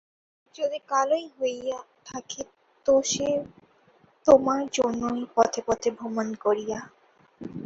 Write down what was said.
যদি কালােই হইয়া থাকে তো সে তােমার জন্যই পথে পথে ভ্রমণ করিয়া।